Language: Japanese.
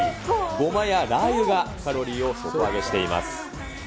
ごまやラー油がカロリーを底上げしています。